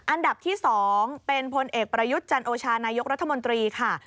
อันดับที่๒เป็นพลเอกประยุทธ์จันโอชานายกรัฐมนตรีค่ะ